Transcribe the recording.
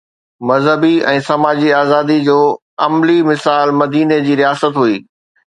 مذهبي ۽ سماجي آزادي جو عملي مثال مديني جي رياست هئي